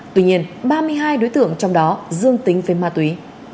tuy nhiên ba mươi hai đối tượng trong đó dương tính với ma túy